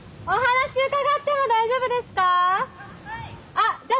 あっじゃあ